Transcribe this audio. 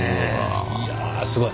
いやすごい！